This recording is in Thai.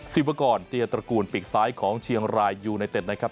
วกรเตียตระกูลปีกซ้ายของเชียงรายยูไนเต็ดนะครับ